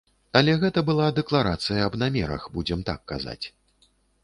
Але гэта была дэкларацыя аб намерах, будзем так казаць.